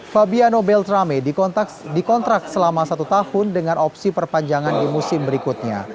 fabiano beltrame dikontrak selama satu tahun dengan opsi perpanjangan di musim berikutnya